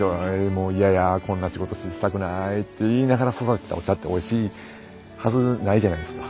もう嫌やこんな仕事したくないって言いながら育てたお茶っておいしいはずないじゃないですか。